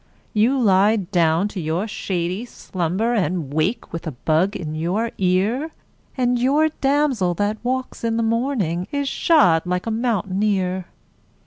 You lie down to your shady slumber And wake with a bug in your ear, And your damsel that walks in the morning Is shod like a mountaineer.